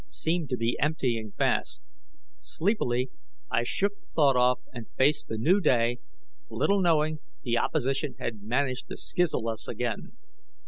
Seemed to be emptying fast. Sleepily, I shook the thought off and faced the new day little knowing the opposition had managed to skizzle us again.